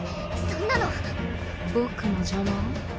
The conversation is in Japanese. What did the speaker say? そんなの僕の邪魔を？